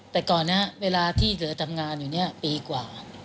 แต่ก่อนนี้เวลาที่เหลือทำงานอยู่เนี่ยปีกว่า